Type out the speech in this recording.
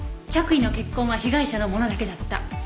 着衣の血痕は被害者のものだけだった。